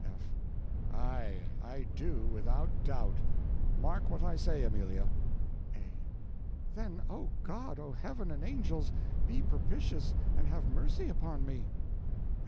F. Aye, I do, without doubt; mark what I say, Amelia. A. Then, O God, O Heaven, and Angels, be propitious, and have mercy upon me.